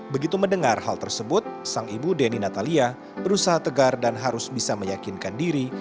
begitu mendengar hal tersebut sang ibu deni natalia berusaha tegar dan harus bisa meyakinkan diri